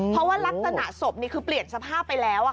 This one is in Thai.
เพราะว่ารักษณะศพนี่คือเปลี่ยนสภาพไปแล้ว